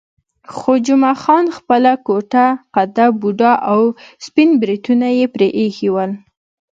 خو جمعه خان خپله کوټه قده، بوډا او سپین بریتونه یې پرې ایښي ول.